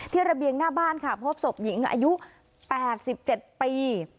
ระเบียงหน้าบ้านค่ะพบศพหญิงอายุ๘๗ปี